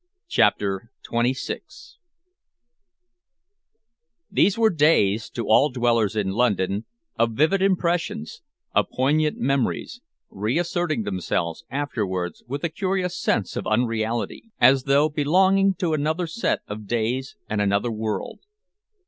CHAPTER XXVI These were days, to all dwellers in London, of vivid impressions, of poignant memories, reasserting themselves afterwards with a curious sense of unreality, as though belonging to another set of days and another world.